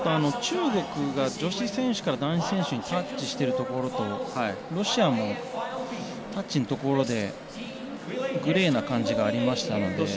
中国が女子選手から男子選手にタッチしているところとロシアのタッチのところでグレーな感じがありましたので。